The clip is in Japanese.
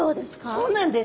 そうなんです。